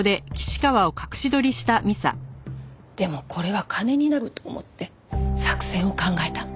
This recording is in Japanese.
でもこれは金になると思って作戦を考えたの。